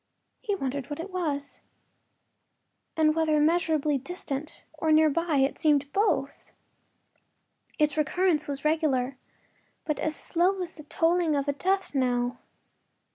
He wondered what it was, and whether immeasurably distant or near by— it seemed both. Its recurrence was regular, but as slow as the tolling of a death knell.